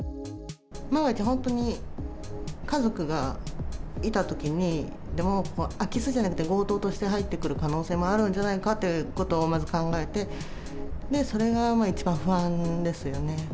万が一、本当に家族がいたときに、空き巣じゃなくて、強盗として入ってくる可能性もあるんじゃないかってことを、まず考えて、それが一番不安ですよね。